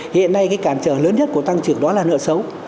hiện nay cái cản trở lớn nhất của tăng trưởng đó là nợ xấu